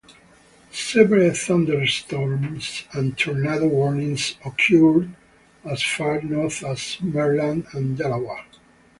Severe thunderstorms and tornado warnings occurred as far North as Maryland and Delaware.